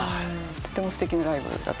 とてもすてきなライブだった。